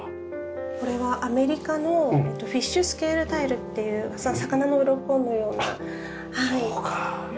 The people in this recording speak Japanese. これはアメリカのフィッシュスケールタイルっていう魚のうろこのようなはい。